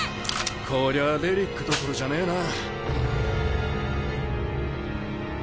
こりゃ遺物どころじゃねえな。